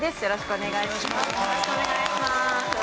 よろしくお願いします。